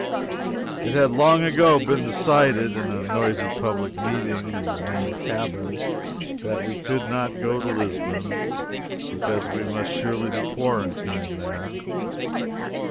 It had long ago been decided in a noisy public meeting in the main cabin that we could not go to Lisbon, because we must surely be quarantined there.